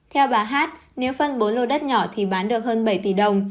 theo bà hát nếu phân bốn lô đất nhỏ thì bán được hơn bảy tỷ đồng